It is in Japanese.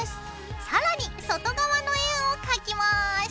更に外側の円を描きます。